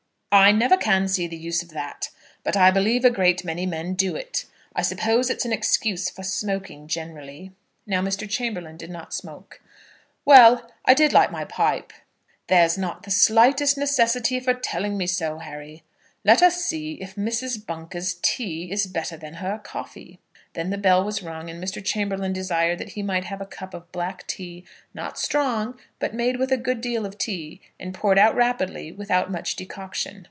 "I never can see the use of that; but I believe a great many men do it. I suppose it's an excuse for smoking generally." Now, Mr. Chamberlaine did not smoke. "Well; I did light my pipe." "There's not the slightest necessity for telling me so, Harry. Let us see if Mrs. Bunker's tea is better than her coffee." Then the bell was rung, and Mr. Chamberlaine desired that he might have a cup of black tea, not strong, but made with a good deal of tea, and poured out rapidly, without much decoction.